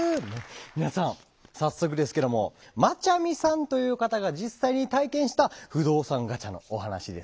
皆さん早速ですけどもまちゃみさんという方が実際に体験した不動産ガチャのお話ですね。